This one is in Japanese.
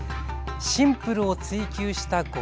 シンプルを追求した極上の味。